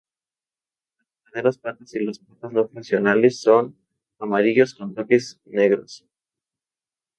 Las verdaderas patas y las patas no funcionales son amarillos con toques negros.